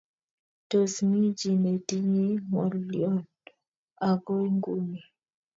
tos mi chi netinyei ng'olion akoi nguni?